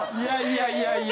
いやいや。